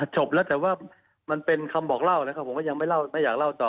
จบแล้วแต่ว่ามันเป็นคำบอกเล่านะครับผมก็ยังไม่เล่าไม่อยากเล่าต่อ